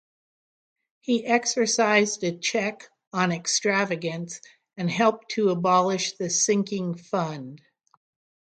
He exercised a check on extravagance, and helped to abolish the sinking fund.